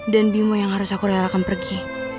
dan bimo yang harus aku relakan pergi